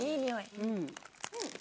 うん！